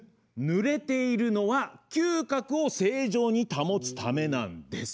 ぬれているのは嗅覚を正常に保つためなんです。